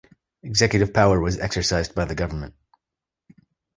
Executive power was exercised by the government.